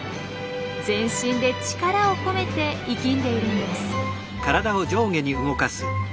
全身で力を込めて息んでいるんです。